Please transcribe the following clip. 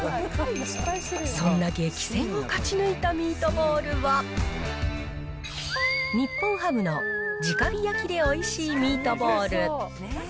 そんな激戦を勝ち抜いたミートボールは、日本ハムの直火焼でおいしいミートボール。